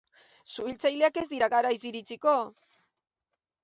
Suhiltzaileak ez dira garaiz iritsiko.